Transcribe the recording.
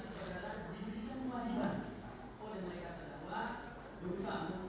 setelah ada di atas saudara